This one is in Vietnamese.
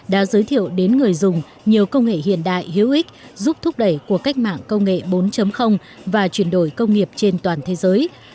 đã giới thiệu đến người dùng nhiều công nghệ hiện đại hữu ích giúp thúc đẩy của cách mạng công nghệ bốn và chuyển đổi công nghiệp trên toàn thế giới